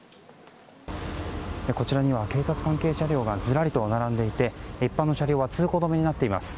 こちらには警察関係車両がずらりと並んでいて一般の車両は通行止めになっています。